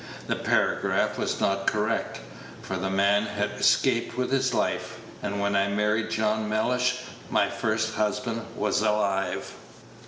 The paragraph was not correct, for the man had escaped with his life: and when I married John Mellish, my first husband was alive."